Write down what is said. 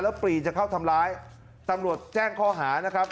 ปรีจะเข้าทำร้ายตำรวจแจ้งข้อหานะครับ